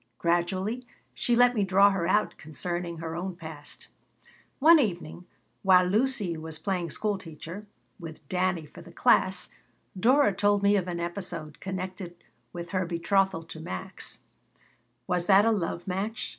Gradually she let me draw her out concerning her own past. One evening, while Lucy was playing school teacher, with Dannie for the class, Dora told me of an episode connected with her betrothal to Max "Was that a love match?"